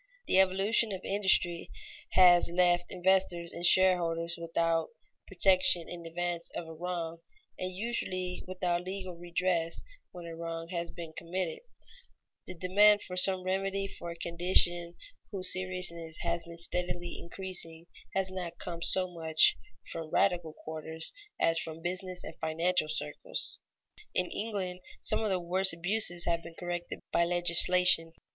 The evolution of industry has left investors and shareholders without protection in advance of a wrong, and usually without legal redress when a wrong has been committed. [Sidenote: Steps toward publicity to protect investors] The demand for some remedy for a condition whose seriousness has been steadily increasing has not come so much from radical quarters as from business and financial circles. In England, some of the worst abuses have been corrected by legislation.